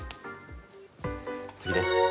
次です。